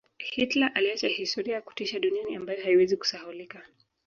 Hitler aliacha historia ya kutisha duniani ambayo haiwezi kusahaulika